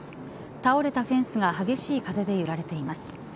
倒れたフェンスが激しい風で揺られています。